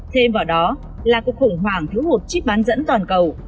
thêm vào đó là cuộc khủng hoảng thiếu hụt chip bán dẫn toàn cầu